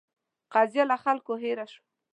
قضیه له خلکو هېره شوه.